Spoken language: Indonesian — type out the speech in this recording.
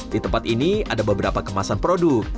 di tempat ini ada beberapa kemasan produk